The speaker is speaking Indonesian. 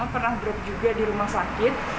pernah drop juga di rumah sakit